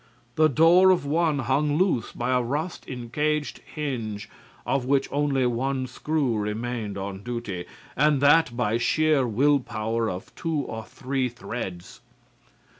The door of one hung loose by a rust encased hinge, of which only one screw remained on duty, and that by sheer willpower of two or three threads.